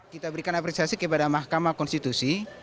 kita berikan apresiasi kepada mahkamah konstitusi